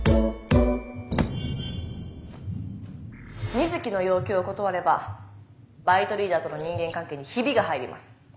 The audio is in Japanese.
水木の要求を断ればバイトリーダーとの人間関係にヒビが入ります。